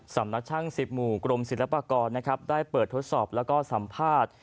สำนักช่าง๑๐หมู่กรมศิลปากรนะครับได้เปิดทดสอบแล้วก็สัมภาษณ์